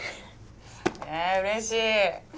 え嬉しい。